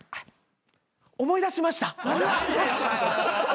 思い出しました。